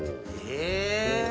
え！